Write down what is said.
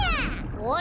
おい！